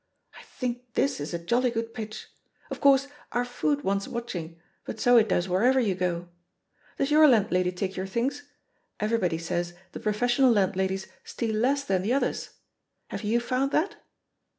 I think this is a jolly good pitch. Of course, our food wants watching, but so it does wherever you go. Does your landlady take your things? Everybody says the professional land ladies steal less than the others. Have you found that?